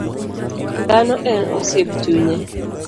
Dhano en osiep chunye.